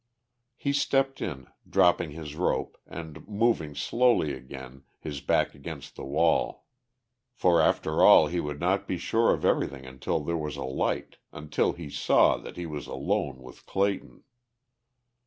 He stepped in, dropping his rope, and moving slowly again, his back against the wall. For after all he would not be sure of everything until there was a light, until he saw that he was alone with Clayton.